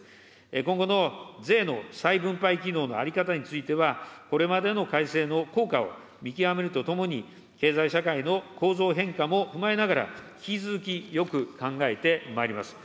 今後の税の再分配機能の在り方については、これまでの改正の効果を見極めるとともに、経済社会の構造変化も踏まえながら、引き続きよく考えてまいります。